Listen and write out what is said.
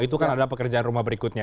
itu kan adalah pekerjaan rumah berikutnya